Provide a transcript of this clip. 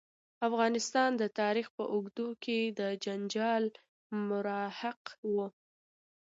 افغانستان د تاریخ په اوږدو کې د جنجال محراق و.